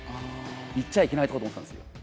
いっちゃいけないと思ってたんですよ。